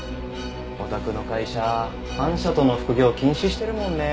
お宅の会社反社との副業禁止してるもんね。